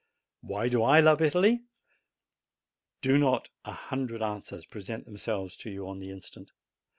Why do I love Italy ? Do not a hundred answers present themselves to you on the instant?